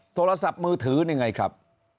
โทรศัพท์มือถือนี่ไงครับ